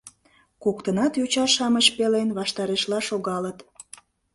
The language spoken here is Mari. Коктынат йоча-шамыч пелен ваштарешла шогалыт.